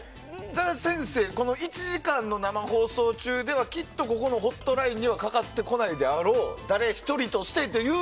先生この１時間の生放送中ではきっとここのホットラインにはかかってこないであろう誰一人としてという。